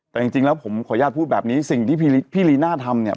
แต่จริงแล้วผมขออนุญาตพูดแบบนี้สิ่งที่พี่ลีน่าทำเนี่ย